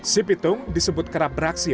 si pitung disebut kerap beraksi